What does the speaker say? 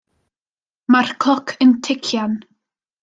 Mae'r cloc yn tician.